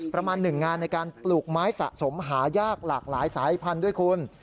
ประมาณหนึ่งงานในการปลูกไม้สะสมหายากหลากหลายสายพันธุ์ด้วยคุณ